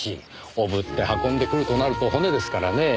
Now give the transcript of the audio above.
おぶって運んでくるとなると骨ですからねぇ。